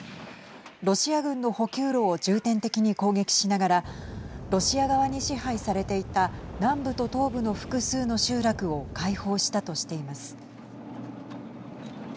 ロシア軍の補給路を重点的に攻撃しながらロシア側に支配されていた南部と東部の複数の集落を解放したとしています。